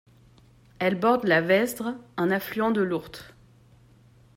Elle borde la Vesdre, un affluent de l’Ourthe.